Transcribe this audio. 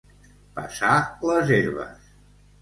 Passar les herbes.